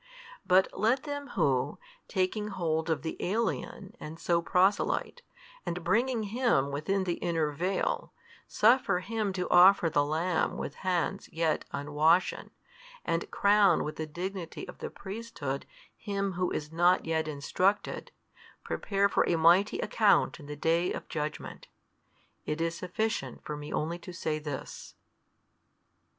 But let them who, taking hold of the alien and so proselyte, and bringing him within the inner veil, suffer him to offer the Lamb with hands yet unwashen, and crown with the dignity of the Priesthood him who is not yet instructed, prepare for a mighty account in the day of judgment. It is sufficient for me only to say this.